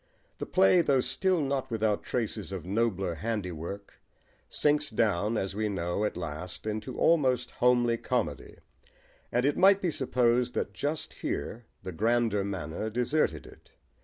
The play, though still not without traces of nobler handiwork, sinks down, as we know, at last into almost homely comedy, and it might be supposed that just here the grander manner deserted it.